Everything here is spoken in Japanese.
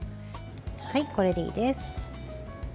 これでいいです。